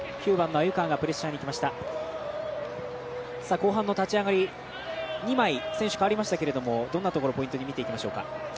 後半の立ち上がり２枚、選手、代わりましたけどどんなところポイントに見ていきましょうか。